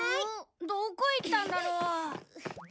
どこ行ったんだろう？